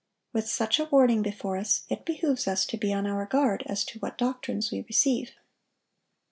(920) With such a warning before us, it behooves us to be on our guard as to what doctrines we receive.